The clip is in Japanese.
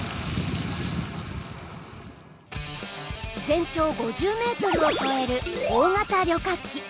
全長５０ｍを超える大型旅客機。